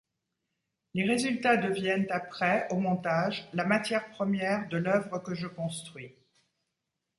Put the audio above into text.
Les résultats deviennent, après, au montage, la matière première de l’œuvre que je construis.